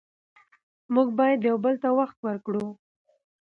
موږ باید یو بل ته وخت ورکړو